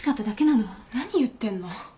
何言ってんの？